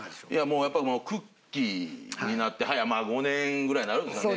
もうやっぱりくっきー！になって早５年ぐらいになるんですかね。